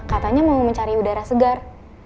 katanya mau mencari udara segar